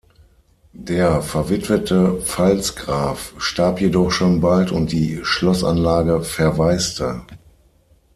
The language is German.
Der verwitwete Pfalzgraf starb jedoch schon bald und die Schlossanlage verwaiste.